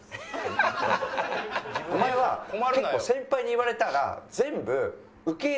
お前は結構先輩に言われたら。